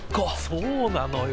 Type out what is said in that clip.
そうなのよ。